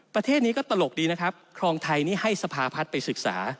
ประเทศนี้ก็ตลกดีนะครับครองไทยนี่ให้สภาพัฒน์ไปศึกษา